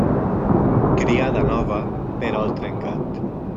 Criada nova, perol trencat.